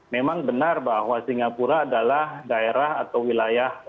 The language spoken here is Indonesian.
memang benar bahwa singapura adalah daerah atau wilayah